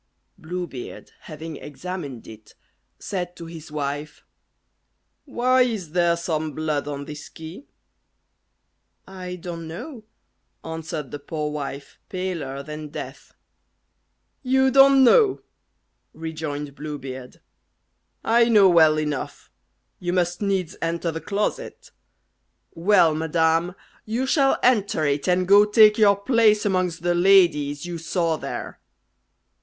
Blue Beard having examined it, said to his wife, "Why is there some blood on this key?" "I don't know," answered the poor wife, paler than death. "You don't know?" rejoined Blue Beard. "I know well enough. You must needs enter the closet. Well, madam, you shall enter it, and go take your place amongst the ladies you saw there."